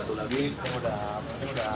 dan ini erwin tumorang ini